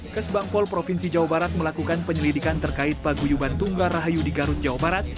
kesbangpol provinsi jawa barat melakukan penyelidikan terkait paguyuban tunggal rahayu di garut jawa barat